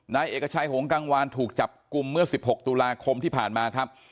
นายเอกชัยหงกังวานถูกจับกลุ่มเมื่อ๑๖ตุลาคมที่ผ่านมาครับ